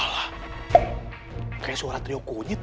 kayaknya suara trio kunyi tuh